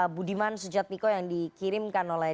budiman sujatmiko yang dikirimkan oleh